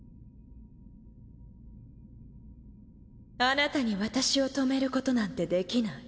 あなたに私を止めることなんてできない。